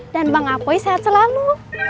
dan bang apoi sehat selalu